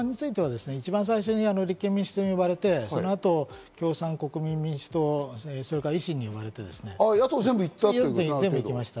この法案については一番最初に立憲民主党に呼ばれて、そのあと共産、国民、民主党、それから維新に呼ばれて野党、全部行きました。